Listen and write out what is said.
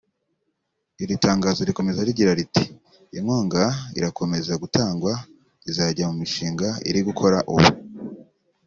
Iri tangazo rikomeza rigira riti “Inkunga irakomeza gutangwa izajya mu mishinga iri gukora ubu